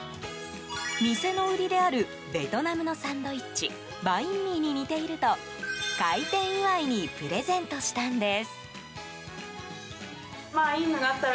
店の売りであるベトナムのサンドイッチバインミーに似ていると開店祝いにプレゼントしたんです。